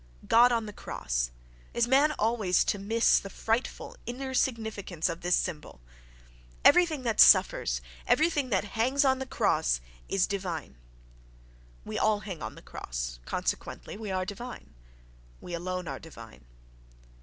—God on the cross—is man always to miss the frightful inner significance of this symbol?—Everything that suffers, everything that hangs on the cross, is divine.... We all hang on the cross, consequently we are divine.... We alone are divine....